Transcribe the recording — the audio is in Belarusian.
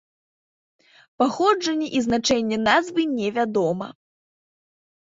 Паходжанне і значэнне назвы невядома.